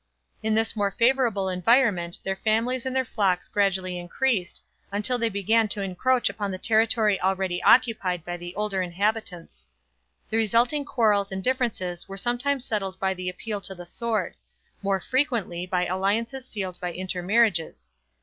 In this more favorable environment their families and their flocks gradually increased until they began to encroach upon the territory already occupied by the older inhabitants. The resulting quarrels and differences were sometimes settled by the appeal to the sword; more frequently by alliances sealed by intermarriages.